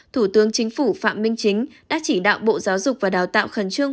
thủ tướng chính phủ phạm minh chính đã chỉ đạo bộ giáo dục và đào tạo khẩn trương